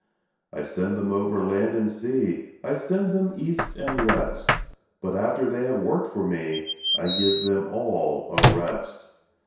I send them over land and sea, I send them east and west; But after they have worked for me, I give them all a rest.